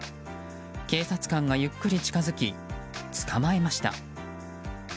警察官がゆっくり近づき捕まえました。